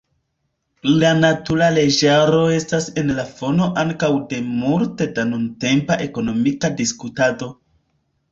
La natura leĝaro estas en la fono ankaŭ de multe da nuntempa ekonomika diskutado.